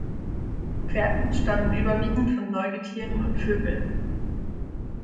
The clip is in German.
Fährten stammen überwiegend von Säugetieren und Vögeln.